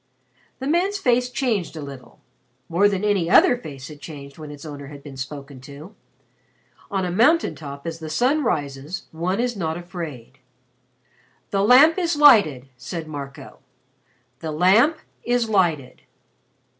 The man's face changed a little more than any other face had changed when its owner had been spoken to. On a mountain top as the sun rises one is not afraid. "The Lamp is lighted," said Marco. "The Lamp is lighted."